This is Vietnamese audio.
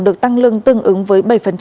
được tăng lương tương ứng với bảy